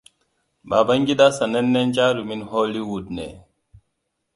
Babangida sanannen jarumin Hollywood ne.